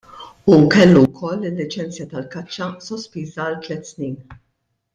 Hu kellu wkoll il-liċenzja tal-kaċċa sospiża għal tliet snin.